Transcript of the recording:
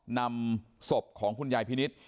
นำศพของคุณยายพินิษฐ์